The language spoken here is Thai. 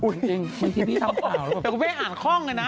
จริงมันที่พี่ทำข่าวแบบแต่คุณแม่งอ่านคล่องเลยนะ